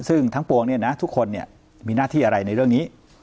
ซึ่งทั้งปวงเนี่ยนะทุกคนมีหน้าที่อะไรในเรื่องนี้